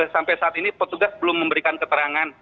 sampai saat ini petugas belum memberikan keterangan